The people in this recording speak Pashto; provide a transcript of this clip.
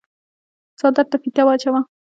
څادر ته فيته واچوه۔